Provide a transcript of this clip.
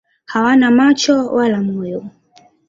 Hawana macho wala moyo.